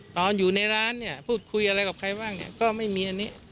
ตอนอยู่ในร้านเนี่ยพูดคุยอะไรกับใครบ้างเนี่ยก็ไม่มีอันนี้